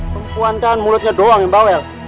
perempuan kan mulutnya doang yang bawel